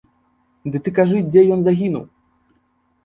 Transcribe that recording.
Да ты кажы, дзе ён загінуў!